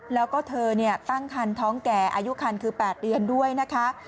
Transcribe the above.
แล้วก็เธอตั้งคันท้องแก่อายุคันคือ๘เดือนด้วยนะคะ